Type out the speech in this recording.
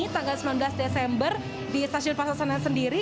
tanggal sembilan belas desember di stasiun pasar senen sendiri